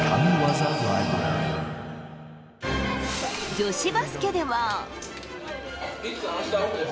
女子バスケでは。